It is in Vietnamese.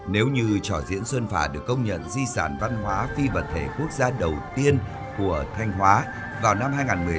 nếu như trò diễn xuân phả được công nhận di sản văn hóa phi vật thể quốc gia đầu tiên của thanh hóa vào năm hai nghìn một mươi năm